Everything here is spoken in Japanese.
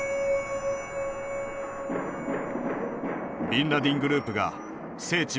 ビンラディングループが聖地